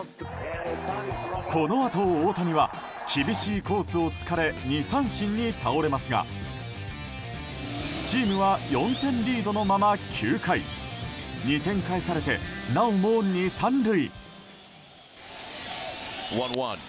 このあと大谷は厳しいコースをつかれ２三振に倒れますがチームは４点リードのまま９回２点返されてなおも２、３塁。